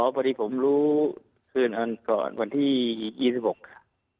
พอดีผมรู้คืนอันก่อนวันที่๒๖ค่ะ